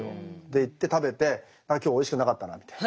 行って食べて今日おいしくなかったなみたいな。